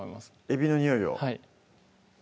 えびのにおいをはい